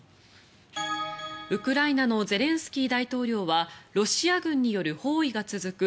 ウクライナのゼレンスキー大統領はロシア軍による包囲が続く